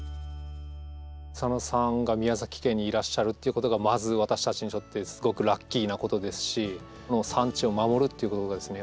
草野さんが宮崎県にいらっしゃるっていうことがまず私たちにとってすごくラッキーなことですしこの産地を守るということがですね